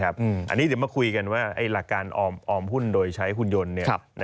อันนี้เดี๋ยวมาคุยกันว่าหลักการออมหุ้นโดยใช้หุ่นยนต์